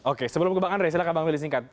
oke sebelum kebangkan re silahkan bang gili singkat